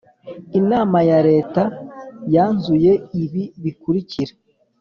Inama ya leta yanzuye ibi bikurikira